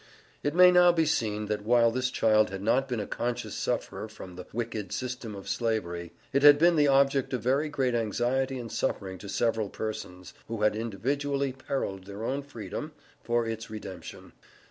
It may now be seen, that while this child had not been a conscious sufferer from the wicked system of Slavery, it had been the object of very great anxiety and suffering to several persons, who had individually perilled their own freedom for its redemption.